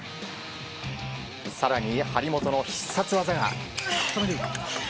更に、張本の必殺技が。